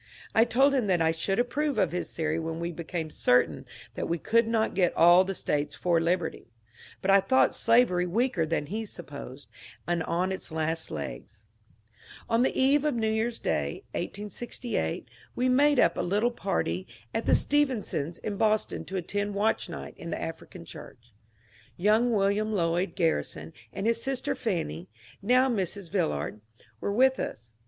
I told him that I should approve of his theory when we became certain that we could not get all the States for liberty ; but I thought slavery weaker than he supposed, and on its last legs. On the eve of New Year's Day, 1868, we made up a little 372 MONCURE DANIEL CONWAY party at the StephensoDs' in Boston to attend Watch Night in the African church. Young William Lloyd Garrison and his sister Fanny (now Mrs. Villard) were with us.